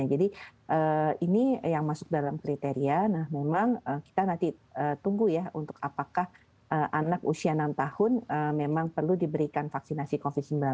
jadi ini yang masuk dalam kriteria memang kita nanti tunggu ya untuk apakah anak usia enam tahun memang perlu diberikan vaksinasi covid sembilan belas